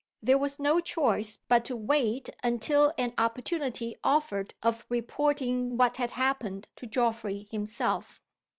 There was no choice but to wait until an opportunity offered of reporting what had happened to Geoffrey himself.